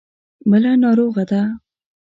بله ناروغه ده.